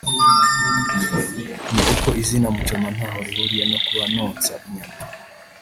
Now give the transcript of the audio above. ni uko izina Muchoma ntaho rihuriye no kuba nonsa inyama